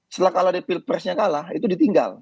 setelah kalau di pilpresnya kalah itu ditinggal